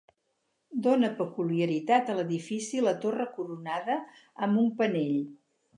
Dóna peculiaritat a l'edifici la torre coronada amb un penell.